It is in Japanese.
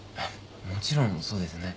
もちろんそうですね。